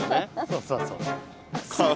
そうそうそうそう。